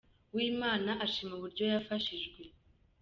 Uwimana ashima uburyo yafashijwe.